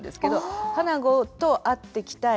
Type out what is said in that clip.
花子と会ってきたい